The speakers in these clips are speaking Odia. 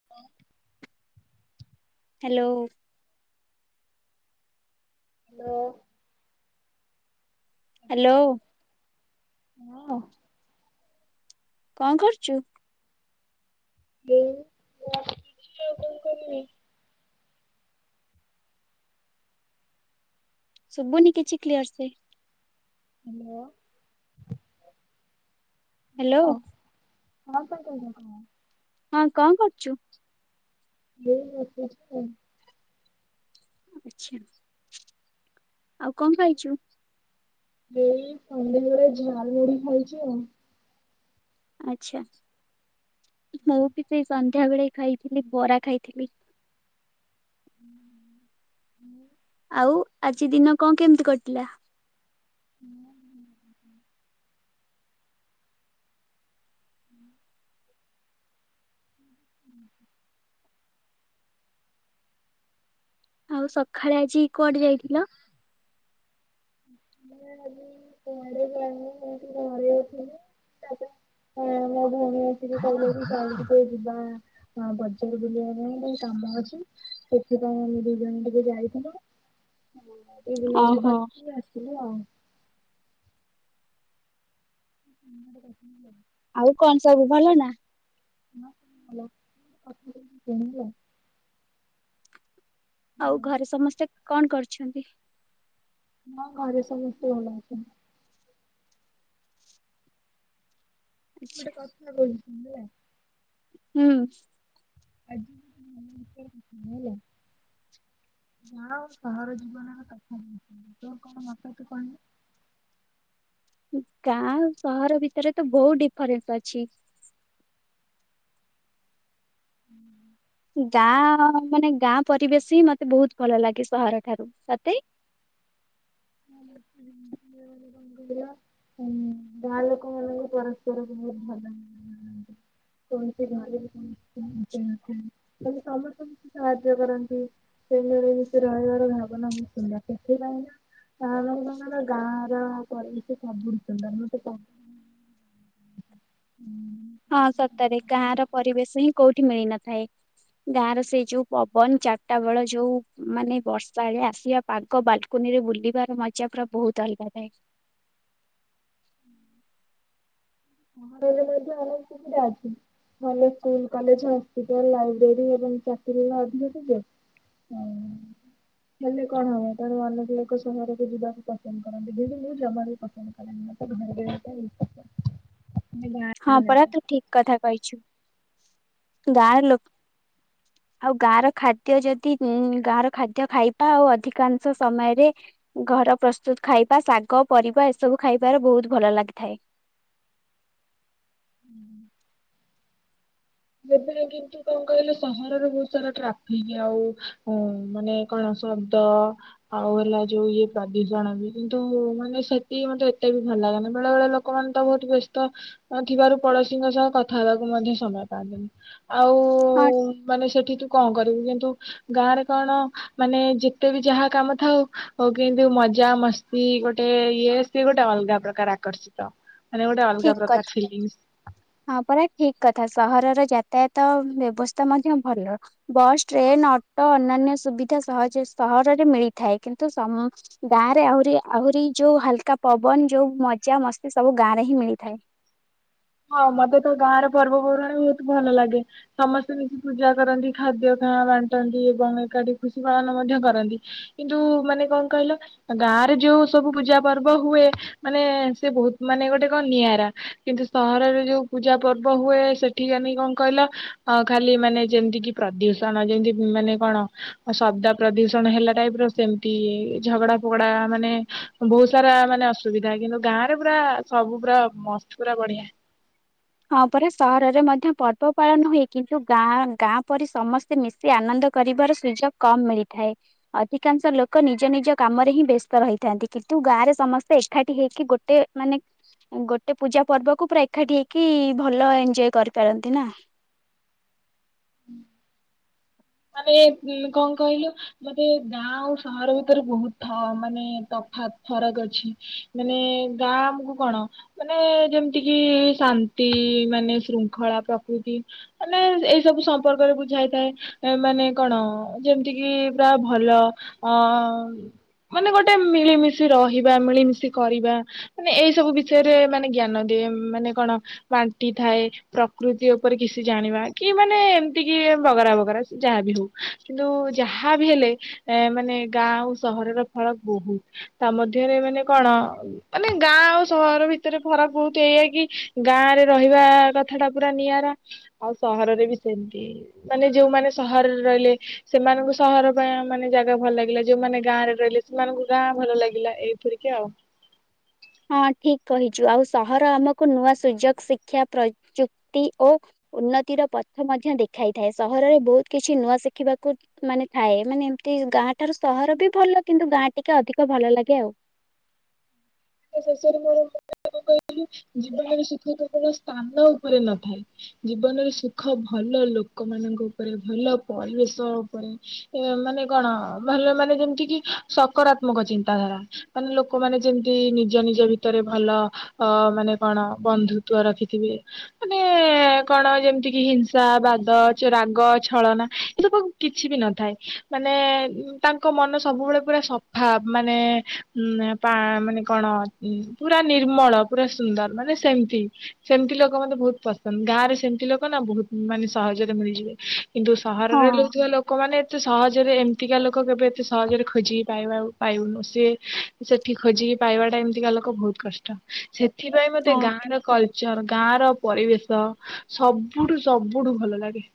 [inaudible] ହାଲୋ। ହାଲୋ। ହାଲୋ। ହାଲୋ କଣ କରୁଚୁ? ଏଇ ବସିଚି ଆଉ କଣ କରିବି। ଶୁଭୁନି କିଛି କ୍ଲିଅର ସେ। ହାଲୋ ହ୍ୟାଲୋ ହାଲୋ କଣ ପାଇଁ କହିଲ [unintelligible] ତମେ? ହଁ କଣ କରୁଛୁ? [inaudible] [unintelligible] ଆଉ କଣ ଖାଇଛୁ? ଏଇ ସନ୍ଧ୍ୟାବେଳେ ଝାଲ ମୁଁଢି ଖାଇଛି ଆଉ। ଆଛା ମୁଁ ବି ସେଇ ସନ୍ଧ୍ୟା ବେଳେ ଖାଇଥିଲି ବରା ଖାଇଥିଲି। [inaudible] ଆଉ ଆଜି ଦିନ କଣ କେମିତି କଟିଲା? [inaudible] [inaudible] [inaudible] ଆଉ ସଖାଳେ ଆଜି କୁଆଡେ ଯାଇଥିଲ? ମୁଁ ଆଜି କୁଆଡ଼େ ଯାଉନି ଏମିତି ଘରେ ଥିଲି ତାଜା ହଁ ମୋ ଭଉଣୀ ଆସିକି କହିଲେ କି ଚାଲେ ଟିକେ ଯିବା। ହ ବଜାର ବୁଲିବା ପାଇଁ ଟିକେ କାମ ଅଛି ସେଥିପାଇଁ ଆମେ ଦି ଜଣ ଟିକେ ଯାଇଥିଲୁ। [inaudible] ବୁଲାବୁଲି ଓହୋ କରିକି ଆସିଲୁ। [inaudible] ଆଉ କଣ ସବୁ ଭଲ ନା? [unintelligible] ଆଉ ହଁ, ଘରେ ସମସ୍ତେ କଣ କରଛନ୍ତି? ହଁ ଘରେ ସମସ୍ତେ ଭଲ ଅଛନ୍ତି। ଗୋଟେ କଥା କହିବି। ଶୁଭିଲା? ହୁଁ ଆଜିକାର [inaudible] ନା ଆ ସହର ଜୀବନରେ [inaudible] କଥା ତୋ କଣ ମତ ତୁ କହିବୁ ଗାଁ ଆଉ ସହର ଭିତରେ ତ ବହୁତ ଡିଫରେନ୍ସ ଅଛି। [unintelligible] ଗାଁ ମାନେ ଗାଁ ପରିବେଶି ମତେ ବହୁତ ଭଲ ଲାଗେ ସହର ଠାରୁ ସତେଇ ମଙ୍ଗ ହଁ [unintelligible] ଗାଁ ଲୋକ ମାନେବି ପରସ୍ପର ବହୁତ ଭଲ ସର୍ଥ [unintelligible] ସାହାଯ୍ୟ କରନ୍ତି ସେ ମିଳି ଭିତରେ ରହିବାର ଭାବନା ବହୁତ ସୁନ୍ଦର ସେଥିପାଇଁ ହ ଆମ ଦୁଇ ଜଣଙ୍କର ଗାଁ ର ପରିବେଶ ସବୁଠୁ ସୁନ୍ଦର ମତେ କ ହୁଁ ହଁ ସତରେ ଗାଁ ର ପରିବେଶ ହିଁ କୋଉଠି ମିଳି ନଥାଏ। ଗାଁର ସେଇ ଯୋଉ ପବନ ଚାରିଟା ବେଳ ଯୋଉ ମାନେ ବର୍ଷା ବେଳେ ଆସିବା ପାଗ ବାଲକୁନିରେ ବୁଲିବାର ମଜା ପୁରା ବହୁତ ଅଲଗା ଥାଏ।। ସହରରେ ମଧ୍ୟ ଅନେକ ସୁବିଧା ଅଛି। ଭଲ ସ୍କୁଲ କଲେଜ ହସ୍ପିଟାଲ ଲାଇବ୍ରେରୀ ଏବଂ ଚାକିରି ଅଧିକ ଯିବେ ହୁଁ। ହେଲେ କଣ ହବ କାରଣ ଅନେକ ଲୋକ ସମୟରେ ବି ଯିବାକୁ ପସନ୍ଦ କରନ୍ତି ମୁଁ କିନ୍ତୁ ଜମା ବି ପସନ୍ଦ କରେନି। ବେ [unintelligible] ହେଲେ ଗାଁ ହଁ ପରା ତୁ ଠିକ କଥା କହିଛୁ ଗାଁରେ ଲୋକ ଆଉ ଗାଁ ର ଖାଦ୍ୟ ଯଦି ଉ ଗାଁ ର ଖାଦ୍ୟ ଖାଇବା ଆଉ ଅଧିକାଂଶ ସମୟରେ ଘର ପ୍ରସ୍ତୁତ ଖାଇବା ଶାଗ ପରିବା ଏସବୁ ଖାଇବାରେ ବହୁତ ଭଲ ଲାଗିଥାଏ। ହୁଁ [unintelligible] କଣ କହିଲେ ସହରରେ ବହୁତ ସାରା ଟ୍ରାଫିକ ଆଉ ମାନେ କଣ ଶବ୍ଦ ଆଉ ହେଲା ଯୋଉ ଇଏ ପ୍ରଦୂଷଣ ବି କିନ୍ତୁ ମାନେ ସେତିକି ମତେ ଏତେ ବି ଭଲ ଲାଗେନି ବେଳେ ବେଳେ ଲୋକ ଲୋକ ମାନେ ତ ବହୁତ ବ୍ୟସ୍ତ ଥିବାରୁ ପଡୋଶୀଙ୍କ ସହ କଥା ହେବାକୁ ମଧ୍ୟ ସମୟ [inaudible] ଆଉ ହଁ ମାନେ ସେଠି ତୁ କଣ କରିବୁ କିନ୍ତୁ ଗାଁରେ କଣ ମାନେ ଯେତେ ବି ଯାହା କାମ ଥାଉ ଆଉ କିନ୍ତୁ ମଜା ମସ୍ତି ଗୋଟେ ଇଏ ସେ ଗୋଟେ ଅଲଗା ପ୍ରକାର ଆକର୍ଷିତ ମାନେ ଗୋଟେ ଅଲଗା ଠିକ କଥା। ପ୍ରକାର ଫିଲଗିଙ୍ଗସ ହଁ ପୁରା ଠିକ କଥା ସହରର ଯାତାୟାତ ଆଉ ବ୍ୟବସ୍ଥା ମଧ୍ୟ ଭଲ। ବସ୍ ଟ୍ରେନ୍ ଅଟୋ ଅନନ୍ୟ ସୁବିଧା ସହଯେ ସହରରେ ମିଳିଥାଏ କିନ୍ତୁ ସମ ଗାଁ ରେ ଆହୁରି ଆହୁରି ଯୋଉ ହାଲକା ପବନ ଯୋଉ ମଜା ମସ୍ତି ସବୁ ଗାଁ ରେ ହିଁ ମିଳିଥାଏ। ହଁ ମତେ ତ ଗାଁର ପର୍ବପର୍ବାଣି ବହୁତ ଭଲ ଲାଗେ ସମସ୍ତେ ମିଶି ପୂଜା କରନ୍ତି ଖାଦ୍ୟ ଖା ବାଣ୍ଟନ୍ତି ଏବଂ ଏକାଠି ଖୁସି ପାଳନ ମଧ୍ୟ କରନ୍ତି। କିନ୍ତୁ ମାନେ କଣ କହିଲ ଗାଁ ରେ ଯୋଉ ସବୁ ପୂଜା ପର୍ବ ହୁଏ। ମାନେ ସେ ବହୁତ ମାନେ ଗୋଟେ କଣ ନିଆରା କିନ୍ତୁ ସହରରେ ଯୋଉ ପୂଜା ପର୍ବ ହୁଏ ସେଠିକାନି କଣ କହିଲ? ହଁ ଖାଲି ମାନେ ଯେମିତି କି ପ୍ରଦୂଷଣ ଯେମିତି ମାନେ କଣ ଆ ଶବ୍ଦ ପ୍ରଦୂଷଣ ହେଲା ଟାଇପ ର ସେମିତି ଝଗଡା ଫଗଡା ମାନେ ବହୁତ ସାରା ମାନେ ଅସୁବିଧା କିନ୍ତୁ ଗାଁ ରେ ପୁରା ସବୁ ପୁରା ମସ୍ତ ପୁରା ବଢିଆ। ହଁ ପରା ସହରରେ ମଧ୍ୟ ପର୍ବ ପାଳନ ହୁଏ କିନ୍ତୁ ଗାଁ ଗାଁ ପରି ସମସ୍ତ ସେ ମିଶି ଆନନ୍ଦ କରିବାର ସୁଯୋଗ କମ ମିଳିଥାଏ। ଅଧିକାଂଶ ଲୋକ ନିଜ ନିଜ କାମରେ ହିଁ ବ୍ୟସ୍ତ ରହିଥାନ୍ତି କିନ୍ତୁ ଗାଁ ରେ ସମସ୍ତେ ଏକାଠି ହେଇକି ଗୋଟେ ମାନେ ଗୋଟେ ପୂଜା ପର୍ବକୁ ପୁରା ଏକାଠି ହେଇକି ଭଲ ଏଞ୍ଜୟ କରିପାରନ୍ତି ନା। ମାନେ କଣ କହିଲୁ? ମାନେ ଗାଁ ଆଉ ସହର ଭିତରେ ବହୁତ ଥ ମାନେ ତଫା ଫରକ ଅଛି। ମାନେ ଗାଁ ଆମକୁ କଣ ମାନେ ଯେମିତି କିି ଶାନ୍ତି ମାନେ ଶୃଙ୍ଖଳା ପ୍ରକୃତି ମାନେ ଏଇ ସବୁ ସମ୍ପର୍କରେ ବୁଝାଇଥାଏ। ମାନେ କଣ ଯେମିତି କିି ପୁରା ଭଲ ଅ ମାନେ ଗୋଟେ ମିଳିମିଶି ରହିବା ମିଳିମିଶି କରିବା। ମାନେ ଏଇ ସବୁ ବିଷୟରେ ମାନେ ଜ୍ଞାନ ଦିଏ ମାନେ କଣ? ବାଣ୍ଟି ଥାଏ ପ୍ରକୃତି ଉପରେ କିଛି ଜାଣିବା କି ମାନେ ଏମିତି କି ବଗରା ବଗରା ଯାହା ବି ହଉ କିନ୍ତୁ ଯାହା ବି ହେଲେ ଏ ମାନେ ଗାଁ ଆଉ ସହରର ଫଳ ବହୁତ ତା ମଧ୍ୟରେ ମାନେ କଣ ମାନେ ଗାଁ ଆଉ ସହର ଭିତରେ ଫରକ ଭଉତୁ ଏଇଆ କି ଗାଁ ରେ ରହିବା କଥା ଟା ପୁରା ନିଆରା। ଆଉ ସହରରେ ବି ସେମିତି ମାନେ ଯୋଉମାନେ ସହରରେ ରହିଲେ ସେମାନଙ୍କୁ ସହର ପାଇଁ ମାନେ ଜାଗା ଭଲ ଲାଗିଲା ଯୋଉମାନେ ଗାଁ ରେ ରହିଲେ ସେମାନଙ୍କୁ ଗାଁ ଭଲ ଲାଗିଲା ଏଇପରିକା ଆଉ। ହଁ ଠିକ କହିଛୁ ଆଉ ସହର ଆମକୁ ନୂଆ ସୁଯୋଗ ଶିକ୍ଷା ପ୍ରଯୁକ୍ତି ଓ ଉନ୍ନତିର ପଥ ମଧ୍ୟ ଦେଖାଇଥାଏ ସହରରେ ବହୁତ କିଛି ନୂଆ ଶିଖିବାକୁ ମାନେ ଥାଏ ମାନେ ଏମତି ଗାଁଠାରୁ ସହର ବି ଭଲ କିନ୍ତୁ ଗାଁ ଟିକେ ଅଧିକ ଭଲ ଲାଗେ ଆଉ। ଶେଷରେ ମୋର [unintelligible] ଜୀବନରେ ସୁଖ କେବଳ ସ୍ଥାନ ଉପରେ ନଥାଏ। ଜୀବନରେ ସୁଖ ଭଲ ଲୋକ ମାନଙ୍କ ଉପରେ ଭଲ ପରିବେଶ ଉପରେ। ମାନେ କଣ ଭଲ ମାନେ ଯେମିତି କି ସକାରାତ୍ମକ ଚିନ୍ତାଧାରା। ମାନେ ଲୋକମାନେ ଯେମ ସେ ନିଜ ନିଜ ଭିତରେ ଭଲ ଅ ମାନେ କଣ ବନ୍ଧୁତ୍ୱ ରଖିଥିବେ। ମାନେ କଣ ଯେମିତି କିି ହିଂସା ବାଦ ରାଗ ଛଳନା ଏ ସବ କିଛି ବି ନଥାଏ ମାନେ ତାଙ୍କ ମନ ସବୁବେଳେ ପୁରା ସଫା ମାନେ ହୁଁ ପା ମାନେ କଣ ପୁରା ନିର୍ମଳ ପୁରା ସୁନ୍ଦର ମାନେ ସେମିତି। ସେମିତି ଲୋକ ମତେ ବହୁତ ପସନ୍ଦ ଗାଁ ରେ ସେମିତି ଲୋକ ନା ବହୁତ ମାନେ ସହଜରେ ମିଳିଯିବେ କିନ୍ତୁ ହଁ ସହରରେ ରହୁଥିବା ଲୋ ଲୋକମାନେ ଏତେ ସହଜରେ ଏମିତିକା ଲୋକ କେବେ ଏତେ ସହଜରେ ଖୋଜିି ପାଇବା ପାଇଉନୁ ସିଏ ସେଠି ଖୋଜିକି ପାଇବାଟା ଏମିତିକା ଲୋକ ବହୁତ କଷ୍ଟ ସେଥିପାଇଁ ମତେ ହଁ ଗାଁ ଠିକ ର କ ଚର ଗାଁ ର ପରିବେଶ ସବୁଠୁ ସବୁଠୁ ଭଲ ଲାଗେ।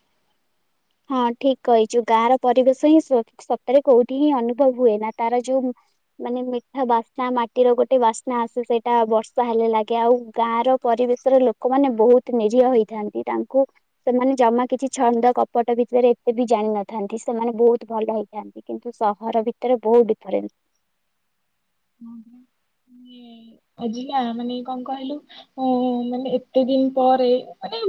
ହଁ ଠିକ କହିଛୁ ଗାଁ ର ପରିବେଶ ହିଁ ସତରେ କୋଉଠି ହିଁ ଅନୁଭବ ହୁଏ ନା ତାର ଯୋଉ ମାନେ ମିଠା ବାସ୍ନା ମାଟିର ଗୋଟେ ବାସ୍ନା ଆସେ ସେଇଟା ବର୍ଷା ହେଲେ ଲାଗେ ଆଉ ଗାଁ ର ପରିବେଶର ଲୋକମାନେ ବହୁତ ନିରହ ହେଇଥାନ୍ତି ତାଙ୍କୁ ସେମାନେ ଜମା କିଛି ଛନ୍ଦ କ ପଟ ଭିତରେ ଏତେ ବି ଜାଣିନଥାନ୍ତି ସେମାନେ ବହୁତ ଭଲ ହେଇଥାନ୍ତି। କିନ୍ତୁ ସହର ଭିତରେ ବହୁତ ଡିଫରେନ୍ସ। ହଁ ଆଜି ନା ମାନେ କଣ କହିଲୁ ଉ ମାନେ ଏତେ ଦିନ ପରେ ମାନେ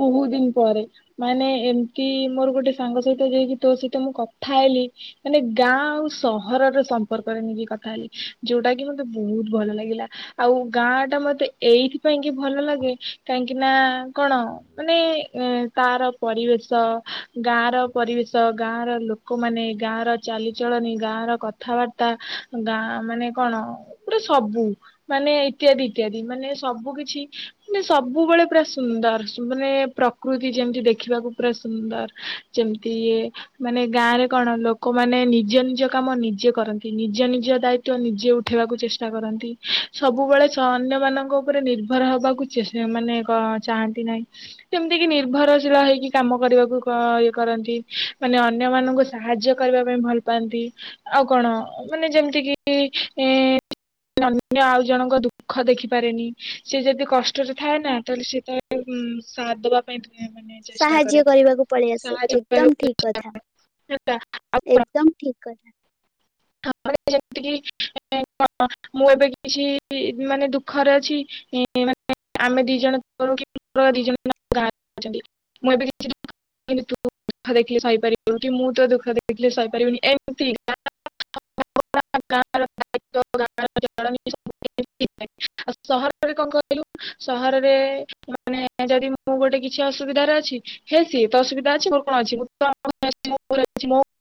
ବହୁତ ଦିନ ପରେ। ମାନେ ଏମତି ମୋର ଗୋଟେ ସାଙ୍ଗ ସହିତ ଯାଇକି ତୋ ସହିତ ମୁଁ କଥା ହେଲି ମାନେ ଗାଁ ଆଉ ସହରର ସମ୍ପର୍କରେ ନେଇକି କଥା ହେଲି। ଯୋଉଟା କି ମତେ ବହୁତ ଭଲ ଲାଗିଲା। ଆଉ ଗାଁ ଟା ମତେ ଏଇଥି ପାଇଁ କି ଭଲ ଲାଗେ କାହିଁକି ନା କଣ ମାନେ ଏ ତାର ପରିବେଶ ଗାଁ ର ପରିବେଶ ଗାଁ ର ଲୋକମାନେ ଗାଁ ର ଚାଲିଚଳନି ଗାଁ ର କଥାବାର୍ତ୍ତା ଗାଁ ମାନେ କଣ ଗୋଟେ ସବୁ। ମାନେ ଇତ୍ୟାଦି ଇତ୍ୟାଦି ମାନେ ସବୁ କିଛି ମାନେ ସବୁବେଳେ ପୁରା ସୁନ୍ଦର ମାନେ ପ୍ରକୃତି ଯେମିତି ଦେଖିବାକୁ ପୁରା ସୁନ୍ଦର। ଯେମିତି ଇଏ ମାନେ ଗାଁ ରେ କଣ ଲୋକମାନେ ନିଜ ନିଜ କାମ ନିଜେ କରନ୍ତି ନିଜ ନିଜ ଦାୟିତ୍ୱ ନିଜେ ଜେ ଉଠେଇବାକୁ ଚେଷ୍ଟା କରନ୍ତି ସବୁବେଳେ ଅନ୍ୟ ମାନଙ୍କ ଉପରେ ନିର୍ଭର ହବାକୁ ମାନେ କଁ ଚାହାନ୍ତି ନାହିଁ। ସେମିତି କି ନିର୍ଭରଶୀଳ ହେଇକି କାମ କରିବାକୁ ଇଏ କରନ୍ତି ମାନେ ଅନ୍ୟ ମାନଙ୍କୁ ସାହାଯ୍ୟ କରିବା ପାଇଁ ଭଲ ପାଆନ୍ତି ଆଉ କଣ ମାନେ ଯେମିତିକି ଅନ୍ୟ ଆଉ ଜଣଙ୍କ ଦୁଃଖ ଦେଖିପାରେନି ସେ ଯଦି କଷ୍ଟରେ ଥାଏ ନା ତାହେଲେ ସେ ତା ହୁଁ ସାଥଦବା ସାହାଯ୍ୟ କରିବାକୁ ପଳି ଆସେ ସାହାଯ୍ୟ ଏକଦମ କରିବାକୁ ଠିକ ଚେଷ୍ଟା କଥା। ହେଲା ଏକଦମ ଠିକ କଥା। ତାପରେ ଯେମତିକି [unintelligible] ମୁଁ ଏବେ କିଛି ମାନେ ଦୁଃଖରେ ଅଛି [unintelligible] ଆମେ ଦି ଜଣ [unintelligible] କିନ୍ତୁ ଦୁଃଖ ଦେଖିଲେ ସଇପାରିବୁନୁ କି ମୁଁ ତୋ ଦୁଃଖ ଦେଖିଲେ ସଇପାରିବିନି ଏମିତି ଗାଁ [unintelligible] [unintelligible] ଆଉ ସହରରେ କଣ କହିଲୁ ସହରରେ ମାନେ ଯଦି ମୁଁ ଗୋଟେ କିଛି ଅସୁବିଧାରେ ଅଛି ହେ ସିଏ ତ ଅସୁବିଧା ଅଛି ମୋର କଣ ଅଛି। [unintelligible]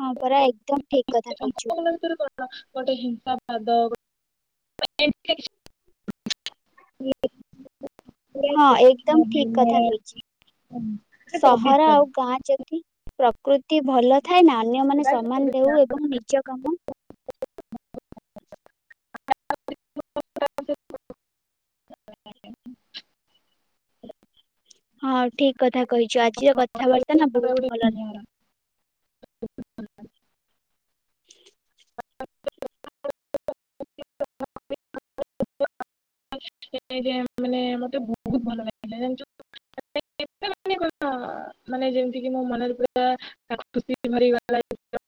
ହଁ ପରା ଏକଦମ୍ ଠିକ୍ କଥା କହିଛୁ। ସମ୍ପର୍କ ଭିତରେ ଗୋଟେ ହିଂସା ବାଦ [unintelligible] [inaudible] ହଁ ଏକଦମ ଠିକ କଥା କହିଛି ଉଁ, ମାନେ ପବିତ୍ର ସହର ଆଉ ଗାଁ ଯେ ପ୍ରକୃତି ଭଲ ଥାଏ ନା ଅନ୍ୟ ମାନେ ପୁରା ସମାନ ଗୋଟେ ଦେଉ ଗାଁ ଏବଂ ନିଜ କାମ [inaudible] ହଁ ଠିକ କଥା କହିଛୁ। ଆଜିର କଥାବାର୍ତ୍ତା ପରିବେଶ ନା ପୁରା ବହୁତ ଗୋଟେ ଭଲ ନିଆରା। [unintelligible] [unintelligible] ମାନେ ମତେ ବହୁତ ଭଲ ଲାଗିଥିଲା ଜାଣିଛ [unintelligible] ମାନେ ଯେମିତି କି ମୋ ମନରେ ପୁରା [unintelligible]